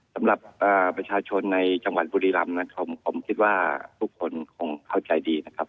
สำหรับประชาชนในจังหวัดบุรีรำนะครับผมคิดว่าทุกคนคงเข้าใจดีนะครับ